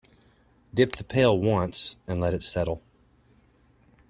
Dip the pail once and let it settle.